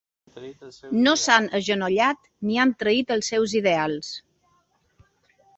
No s’han agenollat ni han traït els seus ideals.